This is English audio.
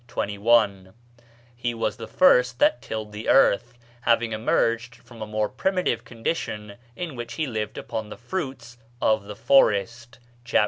21): he was the first that tilled the earth, having emerged from a more primitive condition in which he lived upon the fruits of the forest (chap.